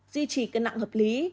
duy trì cân nặng hợp lý